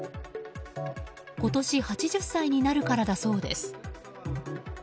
今年、８０歳になるからだそうです。